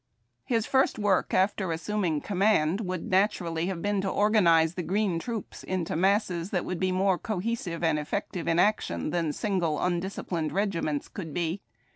His first work, after assuming command, would naturally have been to organize the green troops into masses that would be more cohesive and effective in action than single undisciplined regiments could be.